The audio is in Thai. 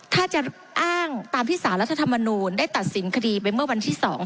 ถ้าจะอ้างตามที่สารรัฐธรรมนูลได้ตัดสินคดีไปเมื่อวันที่๒